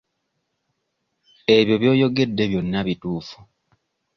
Ebyo by'oyogedde byonna bituufu.